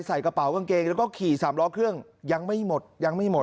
ใส่กระเป๋ากางเกงแล้วก็ขี่สามล้อเครื่องยังไม่หมดยังไม่หมด